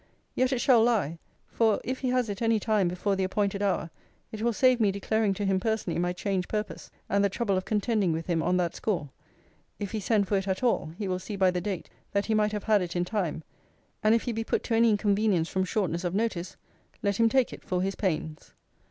Yet it shall lie; for if he has it any time before the appointed hour, it will save me declaring to him personally my changed purpose, and the trouble of contending with him on that score. If he send for it at all, he will see by the date, that he might have had it in time; and if he be put to any inconvenience from shortness of notice, let him take it for his pains.